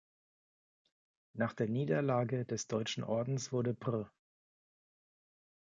Nach der Niederlage des Deutschen Ordens wurde Pr.